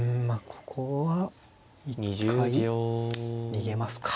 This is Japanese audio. ここは一回逃げますか。